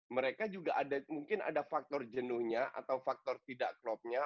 mereka juga ada mungkin ada faktor jenuhnya atau faktor tidak klopnya